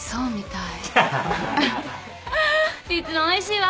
いつもおいしいわ。